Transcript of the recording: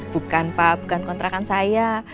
bukan pak bukan kontrakan saya